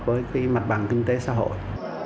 với cái mặt bằng kinh tế xã hội